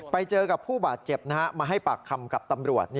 ไปเจอกับผู้บาดเจ็บมาให้ปากคำกับตำรวจ